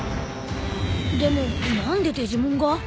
でも何でデジモンが？